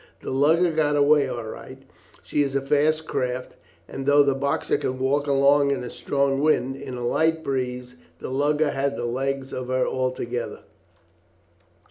The lugger got away all right; she is a fast craft, and though the Boxer can walk along in a strong wind, in a light breeze the lugger had the legs of her altogether.